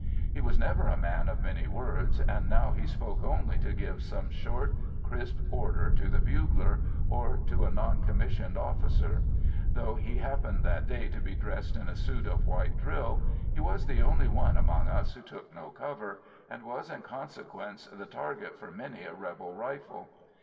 He was never a man of many words, and now he spoke only to give some short, crisp order to the bugler, or to a non commissioned officer. Though he happened that day to be dressed in a suit of white drill, he was the only one among us who took no cover, and was in consequence the target for many a rebel rifle.